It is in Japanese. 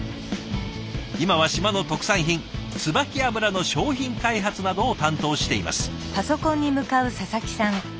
今は島の特産品椿油の商品開発などを担当しています。